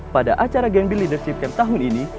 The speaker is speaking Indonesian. pada acara gambir leadership camp tahun ini